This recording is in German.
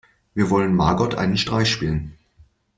Wir wollen Margot einen Streich spielen.